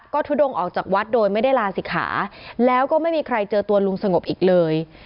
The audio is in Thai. ก็ทุดงออกจากวัดโดยไม่ได้ลาศิกขาแล้วก็ไม่มีใครเจอตัวลุงสงบอีกเลย